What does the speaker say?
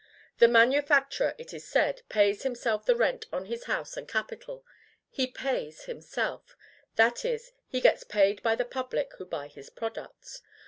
The manufacturer, it is said, pays himself the rent on his house and capital. HE PAYS HIMSELF; that is, he gets paid by the public who buy his products.